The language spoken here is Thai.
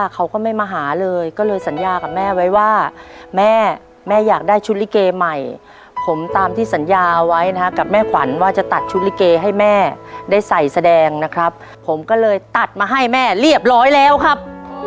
ก็เลยตัดมาให้แม่เรียบร้อยแล้วครับ